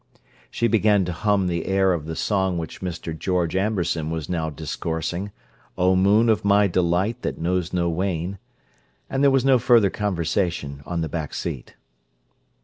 She began to hum the air of the song which Mr. George Amberson was now discoursing, "O moon of my delight that knows no wane"—and there was no further conversation on the back seat.